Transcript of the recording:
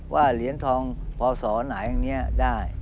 เหรียญทองพศไหนอย่างนี้ได้